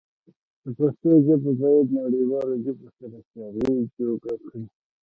د پښتو ژبه بايد د نړيوالو ژبو سره د سيالی جوګه کړو.